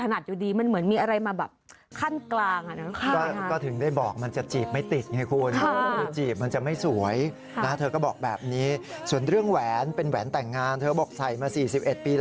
หรือพูดไม่ถนัดอย่างนี้